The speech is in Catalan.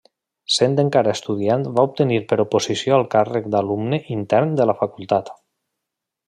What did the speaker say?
Sent encara estudiant va obtenir per oposició el càrrec d'Alumne Intern de la Facultat.